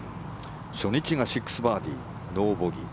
初日が６バーディー、ノーボギー。